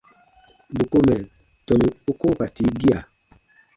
Bù ko mɛ̀ tɔnu u koo ka tii gia.